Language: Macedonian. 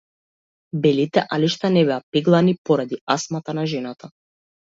Белите алишта не беа пеглани поради астмата на жената.